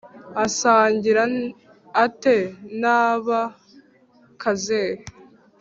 asangira ate na ba Kazehe?